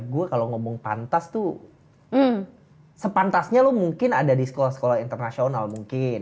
gue kalau ngomong pantas tuh sepantasnya lo mungkin ada di sekolah sekolah internasional mungkin